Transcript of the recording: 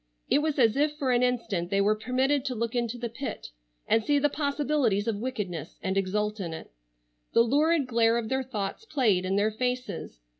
It was as if for an instant they were permitted to look into the pit, and see the possibilities of wickedness, and exult in it. The lurid glare of their thoughts played in their faces.